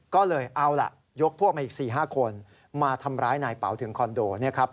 ก็เลยเอาล่ะยกพวกมาอีก๔๕คนมาทำร้ายนายเป๋าถึงคอนโด